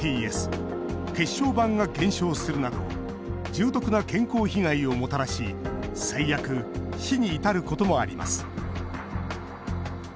血小板が減少するなど重篤な健康被害をもたらし最悪、死に至ることもあります。